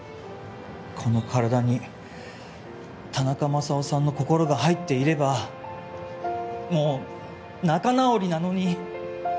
この体に田中マサオさんの心が入っていればもう仲直りなのに！